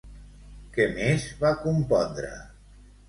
Què més va compondre?